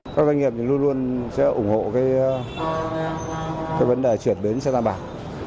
các doanh nghiệp luôn luôn sẽ ủng hộ cái vấn đề chuyển bến xe tam bạc